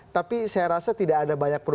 tapi saya rasa tidak ada banyak yang menarik